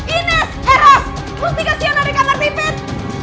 ines heras mustikasion dari kamar pipit